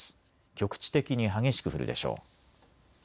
局地的に激しく降るでしょう。